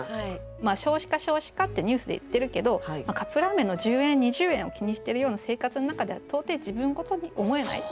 少子化少子化ってニュースでいってるけどカップラーメンの十円二十円を気にしてるような生活の中では到底自分事に思えない。